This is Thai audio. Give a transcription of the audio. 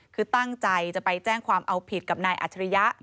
คือตั้งใจจะไปแจ้งความเอาผิดกับนายอัจฉริยะ